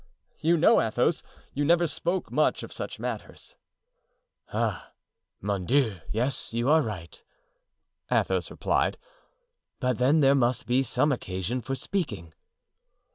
You know, Athos, you never spoke much of such matters." "Ah, mon Dieu, yes, you are right," Athos replied; "but then there must be some occasion for speaking."